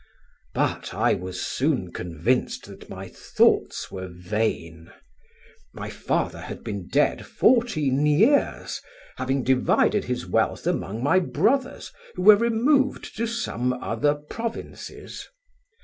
But I was soon convinced that my thoughts were vain. My father had been dead fourteen years, having divided his wealth among my brothers, who were removed to some other provinces.